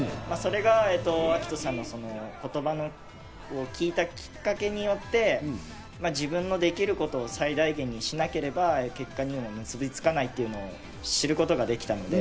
それが暁斗さんの言葉を聞いたきっかけによって自分のできることを最大限やらなければ結果に結びつかないということを知ることができました。